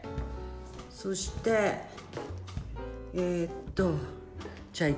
そしてえっと。